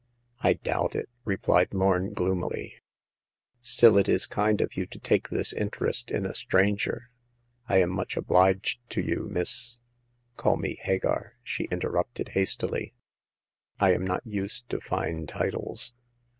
I doubt it," replied Lorn, gloomily ;*' still, it is kind of you to take this interest in a stranger. I am much obliged to you. Miss "" Call me Hagar," she interrupted, hastily. " I am not used to fine titles."